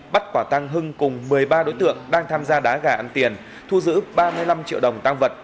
bắt quả tăng hưng cùng một mươi ba đối tượng đang tham gia đá gà ăn tiền thu giữ ba mươi năm triệu đồng tăng vật